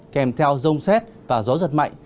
kèm theo rông xét và gió giật mạnh